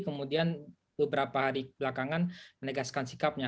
kemudian beberapa hari belakangan menegaskan sikapnya